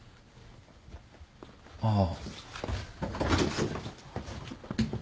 ああ。